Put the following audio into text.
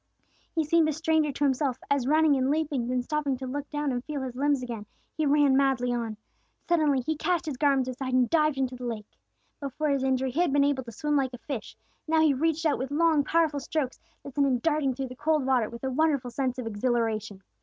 He seemed a stranger to himself, as running and leaping, then stopping to look down and feel his limbs again, he ran madly on. Suddenly he cast his garments aside and dived into the lake. Before his injury, he had been able to swim like a fish, now he reached out with long powerful strokes that sent him darting through the cold water with a wonderful sense of exhilaration.